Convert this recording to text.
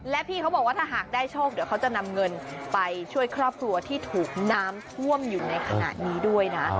และพี่เขาบอกว่าถ้าหากได้โชคเดี๋ยวเขาจะนำเงินไปช่วยครอบครัวที่ถูกน้ำท่วมอยู่ในขณะนี้ด้วยนะ